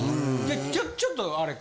ちょっとあれか。